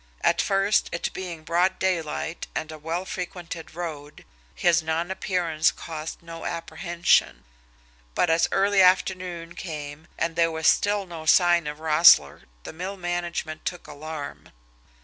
At first, it being broad daylight and a well frequented road, his nonappearance caused no apprehension; but as early afternoon came and there was still no sign of Roessle the mill management took alarm.